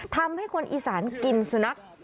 ทำให้คนอีสานกินสุนัข